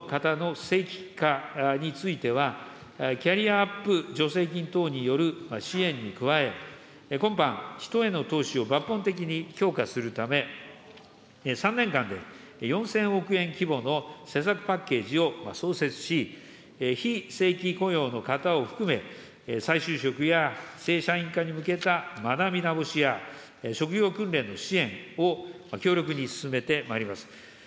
非正規雇用の方の正規化については、キャリアアップ助成金等による支援に加え、今般、人への投資を抜本的に強化するため、３年間で４０００億円規模の施策パッケージを創設し、非正規雇用の方を含め、再就職や正社員化に向けた学び直しや職業訓練の支援を強力に進めてまいります。